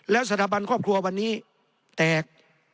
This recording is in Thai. แล้วสถาบันครอบครัววันนี้แตก